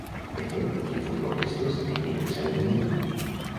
De fet, hi ha futbolistes de qui no en sabem ni el nom.